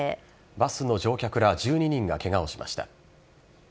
バスの乗客ら１２人がケガをしました。